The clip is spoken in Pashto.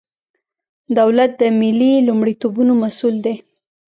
دولت د ملي لومړیتوبونو مسئول دی.